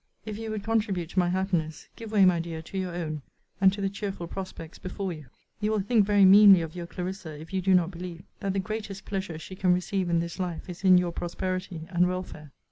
If you would contribute to my happiness, give way, my dear, to your own; and to the cheerful prospects before you! You will think very meanly of your Clarissa, if you do not believe, that the greatest pleasure she can receive in this life is in your prosperity and welfare.